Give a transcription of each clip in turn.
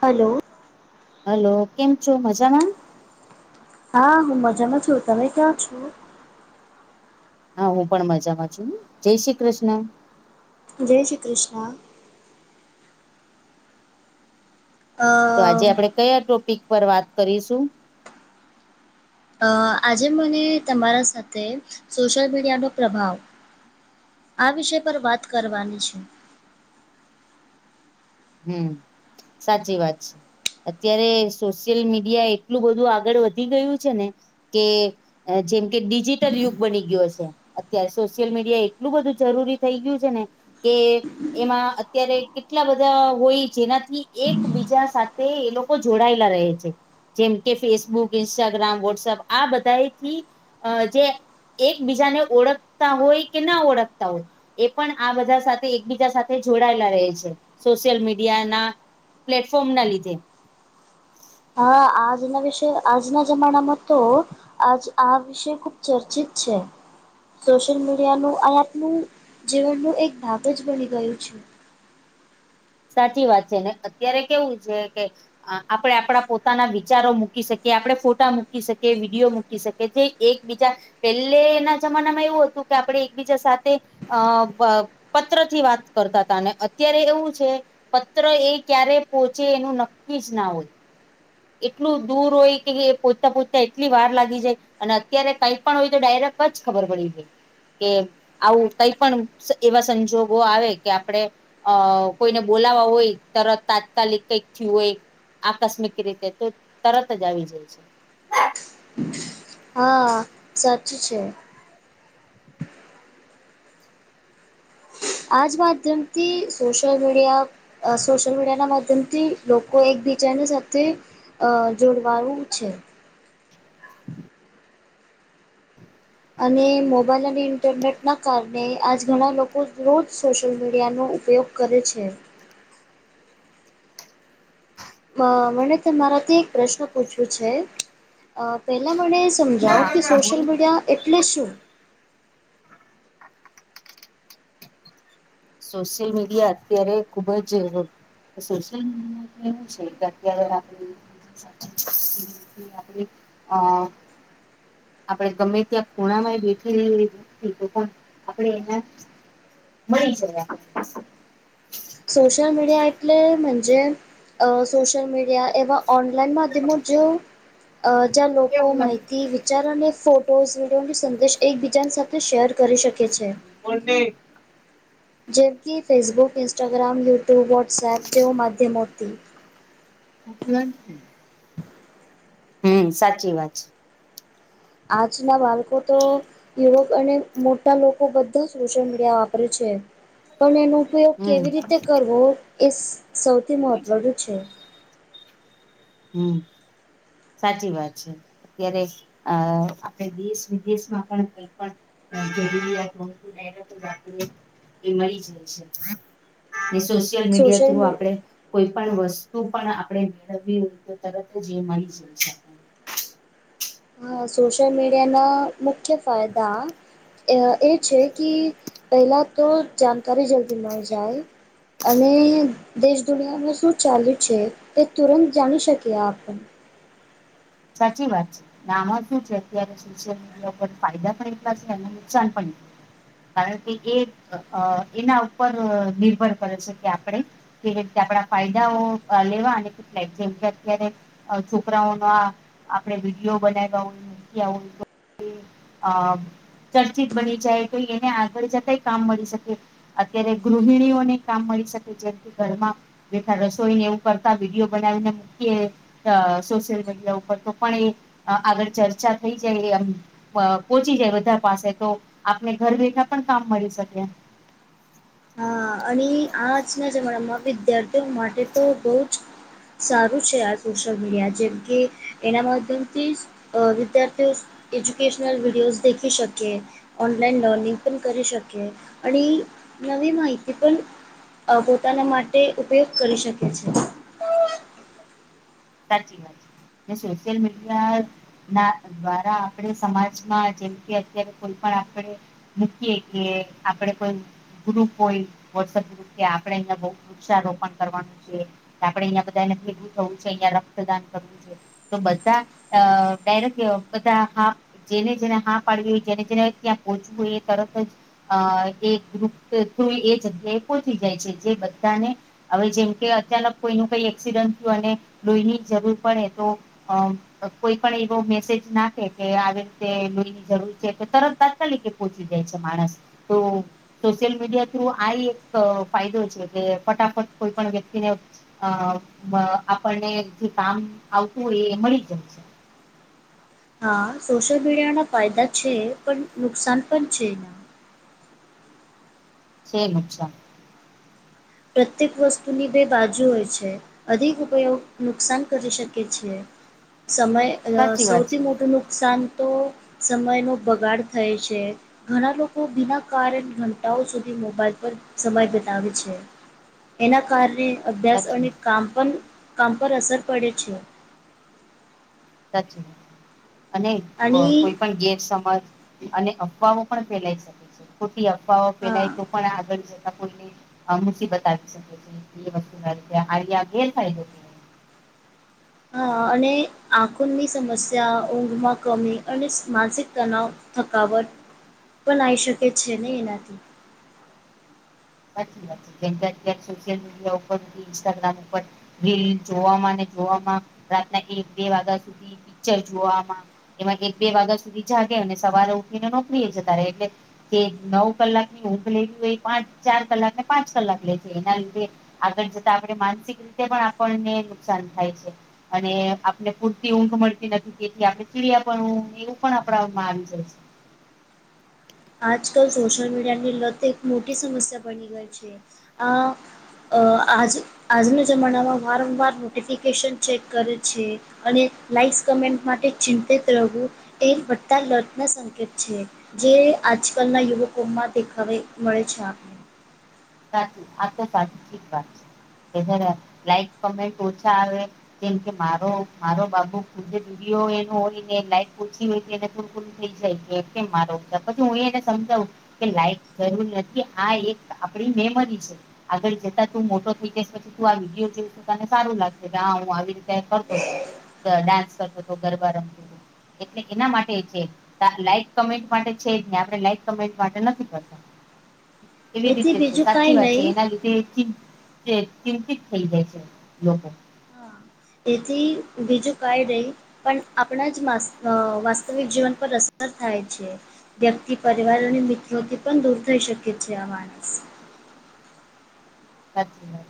Hello. Hello, કેમ છો? મજામાં. હા, હું મજામાં છું, તમે ક્યાં છો? હા, હું પણ મજામાં છું, જય શ્રી કૃષ્ણ. જય શ્રી કૃષ્ણ. અ તો આજે આપડે કયા ટોપિક પર વાત કરીશું? અ આજે મને તમારા સાથે સોશિયલ મીડિયાનો પ્રભાવ. આ વિષય પર વાત કરવાની છે. હમ્મ, સાચી વાત છે. અત્યારે સોશિયલ મીડિયા એટલું બધું આગળ વધી ગયું છે ને કે. જેમ કે ડિજિટલ યુગ બની ગયો છે. અત્યારે સોશિયલ મીડિયા એટલું બધું જરૂરી થઈ ગયું છે ને. કે એમાં અત્યારે કેટલા બધા. બધાં હોય, જેનાથી એકબીજા સાથે એ લોકો જોડાયેલા રહે છે. જેમ કે ફેસબુક ઇન્સ્ટાગ્રામ વોટ્સઅપ આ બધાથી જે. એકબીજાને ઓળખતા હોય, કે ના ઓળખતા હોય. એ પણ આ બધા સાથે, એકબીજા સાથે જોડાયેલા રહે છે. સોશિયલ મીડિયાના પ્લેટફોર્મના લીધે. હા, આજના વિષય આજના જમાનામાં તો. આજ આ વિષય ખુબ ચર્ચિત છે. સોશિયલ મીડિયાનું આપનું જીવનનું એક ભાગ જ બની ગયું છે. સાચી વાત છે, ને અત્યારે કેવું છે કે. આપડે આપણા પોતાના વિચારો મૂકી શકીએ, આપણે ફોટા મૂકી શકીએ, વિડીયો મૂકી શકીએ, તે. એકબીજા પેલે એના જમાનામાં એવું હતું કે આપણે એકબીજા સાથે અ બ પત્ર થી વાત કરતા હતા અને અત્યારે એવું છે. પત્ર એ ક્યારે પોહોંચે એનું નક્કી જ ના હોય. એટલું દૂર હોય કે પોહોચતા પોહોચતા એટલી વાર લાગી જાય અને અત્યારે કઈક પણ હોય તો ડાયરેક્ટ જ ખબર પડી જાય કે આવું કઈ પણ એવા સંજોગો આવે કે આપડે અ કોઈને બોલાવા હોય તરત તાત્કાલિક કઈક થયુ હોય આકસ્મિક રીતે તે તો તરત જ આવી જાય છે. હ સાચુ છે. આજ વાત માધ્યમથી સોશયલ મીડિયા અ સોશિયલ મીડિયા ના માધ્યમથી લોકો એકબીજાની સાથે અ જુડવાયુ છે. [inaudible] અને મોબાઈલ અને ઇન્ટરનેટના કારણે આજ ઘણા લોકો રોજ સોશિયલ મીડિયાનો ઉપયોગ કરે છે. મ મને તમારાથી એક પ્રશ્ન પૂછ્યો છે અ પેલા મને સમજાવો કે હા સોશિયલ બોલો મીડિયા એટલે શું? સોશિયલ મીડિયા અત્યારે ખુબ જ સોશિયલ મીડિયા એવું છે કે અત્યારે આપણે [inaudible] આપણે અ આપડે ગમે ત્યાં ખૂણામાં બેઠી રઈ તો પણ આપણે એના મળી જવાનુ સોશ્યલ મીડિયા એક એટલે મજે અ સોશયલ મીડિયા એવા ઓનલાઈન માધ્યમો જો અ જ્યા લોકો જયા માહિતી વિ વિચાર અને ફોટોઝ વિડીયોની સંદેશ એકબીજા સાથે શેર કરી શકે છે. બોર્ડ ને જેમ કે ફેસબુક ઇન્સ્ટાગ્રામ યુટ્યુબ વોટ્સએપ જેવા માધ્યમોથી [unintelligible] હમ્મ સાચી વાત છે. આજના બાળકો તો યુવક અને મોટા લોકો બધા સોશિયલ મીડિયા વાપરે છે. પણ એનો ઉપયોગ હમ કેવી રીતે કરવો એ સૌથી મહત્ત્વનું છે. હમ્મ સાચી વાત છે. અત્યારે અ આપણે દેશ વિદેશમાં પણ કઈ પણ [unintelligible] એ મળી જાય છે વિશેષ સોશયલ મીડિયા સોશિયલ થ્રુ મી આપણે કોઈ પણ વસ્તુ પણ આપણે મેળવવી હોય તો તરત જ એ મળી જાય આપણને હા સોશિયલ મીડિયાના મુખ્ય ફાયદા એ છે કે પહેલા તો જાણકારી જલ્દી મળી જાય અને દેશ દુનિયામાં શું ચાલ્યું છે તે તુરંત જાણી શકીએ આપણે સાચી વાત છે. નામાં શું છે અત્યારે સોશિયલ મીડિયા ઉપર ફાયદા પણ એટલા છે અને નુકસાન પણ કારણ કે એ અ એના ઉપર નિર્ભર કરે છે કે આપણેે કે જે રીતે આપણા ફાયદાઓ અ લેવા અને કેટલા જેમ [unintelligible] કરે છોકરાઓના આપણેે વિડીયો બનાવ્યા હોય મૂક્યા હોય તો [unintelligible] અ ચર્ચિત બની જાય તો એને આગળ જતાય કામ મળી શકે. અત્યારે ગૃહિણીઓને કામ મળી શકે જેમ કે ઘરમાં. જેઠા રસોઈ ને એવું કરતા વિડીયો બનાવીને મૂકીએ અ સોશિયલ મીડિયા ઉપર. તો પણ એ આગળ ચર્ચા થઈ જાય એ એમ પ પોહચી જાય બધા પાસે તો આપને ઘર બેઠા પણ કામ મળી શકે. અ અહીં આજના જમાનામાં વિદ્યાર્થીઓ માટે તો બહુ જ સારું છે આ સોશિયલ મીડિયા જેમ કે એના માધ્યમથી અ વિદ્યાર્થીઓ એજ્યુકેશનલ વિડીયોઝ દેખી શકે ઓનલાઈન [unintelligible] કરી શકીએ અને ઈ નવી માહિ તી પણ પોતાના માટે ઉપયોગ કરી શકે છે. સાચી વાત છે ને સોશિયલ મીડિયા ના દ્વારા આપણે સમાજમાં જેમ કે અત્યારે કોઈ પણ આપણે મૂકીએ કે આપણે કોઈ ગ્રુપ હોય વ્હોટસએપ ગ્રુપ કે આપણે અહીંયા વૃક્ષારોપણ કરવાનું છે કે આપડે અહિયાં બધાને ભેગું થવું છે અહિયાં રક્તદાન કરવું છે. તો બધા અ ડાયરેક બધા હા જેને જેને હા પાડવી હોય જેને જેને ત્યાં પહોંચવું હોય એ તરત જ અ એ ગ્રુપ તું એ જગ્યાએ પહોચી જાય છે જે બધાને હવે જેમ કે અચાનક કોઈનું કઈ એક્સિડન્ટ થયું અને લોહીની જરૂર પડે તો અમ કોઈ પણ એવો મેસેજ નાખે કે આવી રીતે લોહી ની જરૂર છે તો તરત તાત્કાલિક એ પહોંચી જાય છે માણસ તો સોશિયલ મીડિયા થ્રુ આ એક ફાયદો છે કે ફટાફટ કોઈ પણ વ્યક્તિને અ મ આપણને જે કામ આવતું હોય એ મળી જાય છે. હા, સોશિયલ મીડિયા ના ફાયદા છે પણ નુકસાન પણ છે એના. છેે નુકસાન. પ્રત્યેક વસ્તુની બે બાજુ હોય છે. અધિક ઉપયોગ નુકસાન કરી શકે છે. સમય અ સાચી વાત છે સૌથી મોટું નુકસાન તો સમયનો બગાડ થાય છે. ઘણા લોકો બિના કારણ ઘંટાઓ સુધી મોબાઈલ પર સમય બિતાવે છે. એના કારણે અભ્યાસ સાચી અને કામ પણ કામ પર અસર પડે છે. સાચી વાત અને ક અને કોઈ પણ ગેરસમજ અને અફવાઓ પણ ફેલાય શકે છે ખોટી અફવાઓ હા ફેલાય તો પણ આગળ જતા કોઈને આ મુસીબત આવી શકે છે એ વસ્તુના લીધે [unintelligible] આ ગેરફાયદો છે. હા અને આંખોની સમસ્યા, ઊંઘમાં કમી અને સ માનસિક તનાાવ, થકાવટ પણ આવી શકે છે ને એનાથી. સાચી વાત છે જેમ કે [unintelligible] સોશિલ મીડિયા ઉપર, ઇન્સ્ટાગ્રામ ઉપર રીલ જોવામાં અને જોવામાં રાતના એક બે વાગ્યા સુધી પિક્ચર જોવામાં એમાં એક બે વાગ્યા સુધી જાગે અને સવારે ઉઠીને નોકરીએ જતા રહે એટલે જે નવ કલાકની ઊંઘ લેવી હોય એ પાંચ ચાર કલાક ને પાંચ કલાક લે છે એના લીધે આગળ જતા આપણે માનસિક રીતે પણ આપણને નુકસાન થાય છે. અને આપને પૂરતી ઊંઘ મળતી નથી તેથી આપણે ચીડિયા પણું એવું પણ આપણામાં આવી જાય છે. આજકાલ સોશિયલ મીડિયાની લત એક મોટી સમસ્યા બની ગઈ છે અ અ આજ આજના જમાનામાં વારંવાર નોટિફિકેશન ચેક કરે છે અને લાઈક્સ કમેન્ટ માટે ચિંતિત રહવું એ ઘટતા લગ્ન સંકેત છે જે આજકાલના યુવકો માં તે ખરે મળે છે આ. સાચી આ તો સાચી જ વાત છે જ લાઈક કમેન્ટ ઓછા આવે કેમ કે મારો મારો બાબુ ખુદ [unintelligible] એનું હોય ને લાઈક પૂછી હોય [unintelligible] થઈ જાય કેમ મારો પછી હું એને સમજાવું કે લાઈક જરૂર નથી આ એક આપડી મેમરી છે. આગળ જતા તું મોટો થઈ જાઈશ પછી તું આ વિડીયો જોઈ તને સારું લાગશે કે હા હું આવી રીતે કરતોતો. ડાસ કરતો તો ગરબા રમતો તો એટલે એના માટે છે લાઈક કમેન્ટ માટે છે, જ ને આપણે લાઈક કમેન્ટ માટે નથી કરતા એવી રી એથી તે છે બીજું સાચી કાંઈ વાત છે નહીં એના લીધે ચીંતે ચિંતિત થઈ જાય છે લોકો. હા એથી બીજું કાંઈ રહી. પન આપણા જ માસ અ વાસ્તવિક જીવન પર અસર થાય છે. વ્યક્તિ પરિવાર અને મિત્રોથી પણ દૂર થઈ શકે છે. આ માનસ. હાચી વાત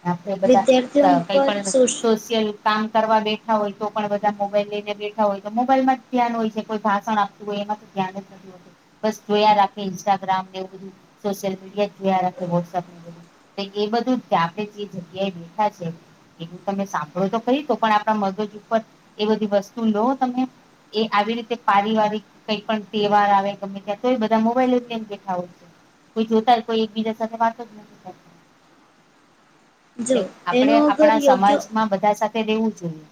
છે આપડે વિદ્યાર્થીઓ બધા અ કઈ પર પણ સોશ સોશિયલ કામ કરવા બેઠા હોય તો પણ બધા મોબાઈલ લઈને બેઠા હોય તો મોબાઈલ માં જ ધ્યાન હોય છે. કોઈ ભાષણ આપ તુ હોય એનાથી ધ્યાન જ નથી હો બસ જોયા રાખે ઇન્સ્ટાગ્રામ ને એવું બધું સોશિયલ મીડિયા જ જોયા રાખે વોટ્સઅપ ને બધું. કેકે એ બધું આપડે જે જગ્યાએ બેઠા છે એવું તમે સાંભળો તો કરી તો પણ આપણા મગજ ઉપર એ બધી વસ્તુ લો તમે. એ આવી રીતે પારિવારિક કઈ પણ તહેવાર આવે ગમે ત્યાં તો એ બધા મોબાઈલ લઈજ એમ બેઠા હોય છે. કોઈ જોતાય કોઈ એકબીજા સાથે વાતો જ નથી, થ- જો એટલે એનો આપડે અગર આપણા યોગ્ય સમાજમાં બધા સાથે રહેેવું જોઈએ.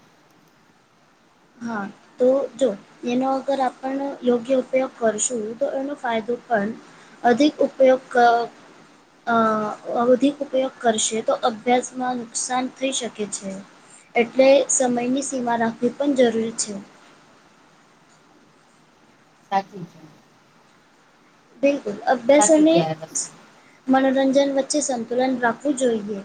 હા તો જો એનો અગર આપણ યોગ્ય ઉપયોગ કરશું તો એનો ફાયદો પણ અધિક ઉપયોગ ક અ વવધિક ઉપયોગ કરશે તો અભ્યાસમાં નુકસાન થઈ શકે છે. એટલે સમયની સીમા રાખવી પણ જરૂરી છે. સાચી છે. બિલકુલ અભ્યાસ સાચું અને છે આ વસ્તુ મનોરંજન વચ્ચે સંતુલન રાખવું જ જોઈએ.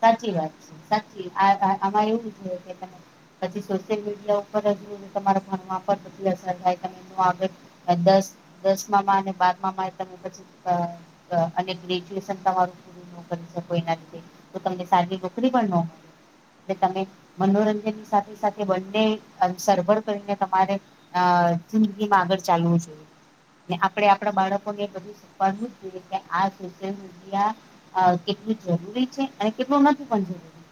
સાચી વાત છે સાચી આઆ આમાં એવું છે કે તમે હજી સોશિયલ મીડિયા ઉપર હજ તમારા ભણવા પર બઘી અસર થાય તમે [unintelligible] દસ દસમામાં અને બારમામાં એ તમે પછી અ અ અને ગ્રેજ્યુએશન તમારું પુંરૂ ન કરી શકો એના લીધે તો તમને સારી નોકરી પણ ન મળે. એટલે તમે મનોરંજન ની સાથે સાથે બંને અ સરભર કરીને તમારે અ જિંદગી માં આગળ ચાલવું જોઈએ. ને આપડે આપડા બાળકોને બધું શીખવાડવું જ જોઈએ કે આ સોશિયલ મીડિયા અ કેટલું જરૂરી છે. અને કેટલું નથી પણ જરૂરી.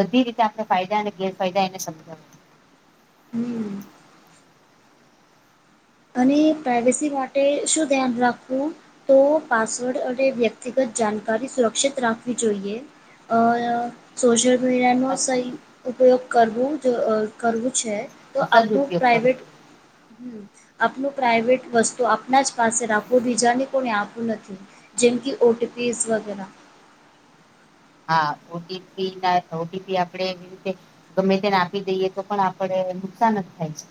બધી રીતે આપડે ફાયદા અને ગેરફાયદા એને સમજાવા હમ. અને પ્રાઇવેસી માટે શું ધ્યાન રાખવું? તો પાસવર્ડ અને વ્યક્તિગત જાનકારી સુરક્ષિત રાખવી જોઈએ. અય સોશિયલ મીડિયાનો સહી ઉપયોગ કરવો જ અ કરવું છે. તો આપડું સદઉપયોગ કરવો પ્રાઈવેટ જોઈએ હમ આપણું પ્રાઇવેટ વસ્તુ આપણા જ પાસે રાખવું બીજાને કોને આપવું નથી. જેમ કે ઓટીપીઝ વગેરા... હા ઓટીપી ના ઓટીપી આપડે એવી રીતે ગમે તેને આપી દઈએ તો પણ આપડે નુકસાન જ થાય છે.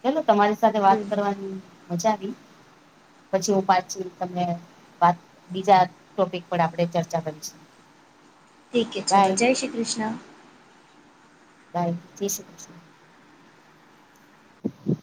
ચલો તમારી સાથે વાત હમ, કરવાની મજા આવી. પછી હું પાછી તમને વાત બીજા ટોપિક પર આપણે ચર્ચા કરીશું. ઠીકે ચલો, બાય જય શ્રી કૃષ્ણ! બાય જય શ્રી કૃષ્ણ.